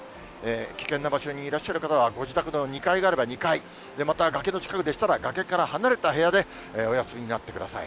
危険な場所にいらっしゃる方は、ご自宅の２階があれば、２階、また崖の近くでしたら崖から離れた部屋で、お休みになってください。